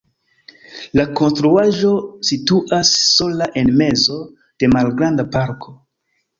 La konstruaĵo situas sola en mezo de malgranda parko.